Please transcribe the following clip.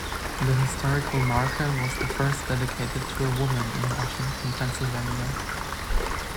The historical marker was the first dedicated to a woman in Washington, Pennsylvania.